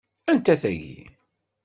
Anta tagi?